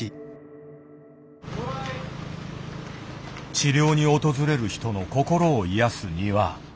治療に訪れる人の心を癒やす庭。